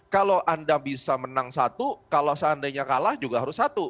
kalau anda bisa menang satu kalau seandainya kalah juga harus satu